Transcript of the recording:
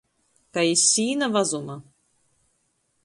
Kai iz sīna vazuma.